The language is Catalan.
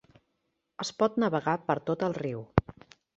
Es pot navegar per tot el riu.